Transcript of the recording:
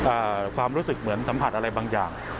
ความรู้สึกเหมือนสัมผัสอะไรบางอย่าง